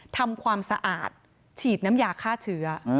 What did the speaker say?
ทำความสะอาดฉีดน้ำยาฆ่าเชื้อ